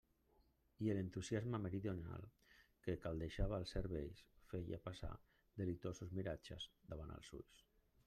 I l'entusiasme meridional, que caldejava els cervells, feia passar delitosos miratges davant els ulls.